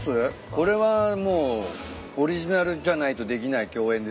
これはもうオリジナルじゃないとできない共演ですよね。